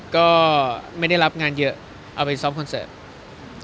ก็ไม่ได้รับงานเยอะเอาไปซ้อมคอนเสิร์ต